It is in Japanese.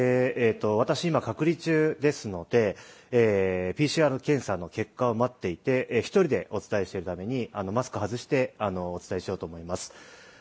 私、今、隔離中ですので、ＰＣＲ検査の結果を待っていて、１人でお伝えしているために、マスクを外してお伝えしようと思います。